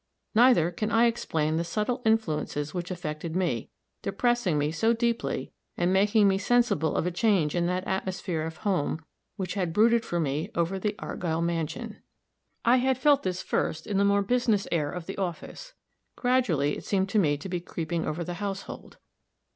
Neither can I explain the subtle influences which affected me, depressing me so deeply, and making me sensible of a change in that atmosphere of home which had brooded for me over the Argyll mansion. I had felt this first in the more business air of the office; gradually, it seemed to me to be creeping over the household.